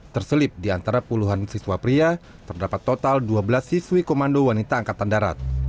terselip di antara puluhan siswa pria terdapat total dua belas siswi komando wanita angkatan darat